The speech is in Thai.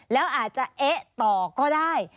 แล้วอาจจะเอ๊ะต่อก็ได้